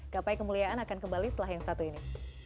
gapai kemuliaan akan kembali setelah yang satu ini